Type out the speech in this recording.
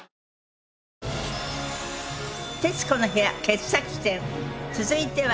『徹子の部屋』傑作選続いては。